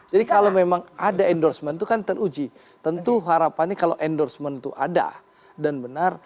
jadi kalau memang ada endorsement itu kan teruji tentu harapannya kalau endorsement itu ada dan benar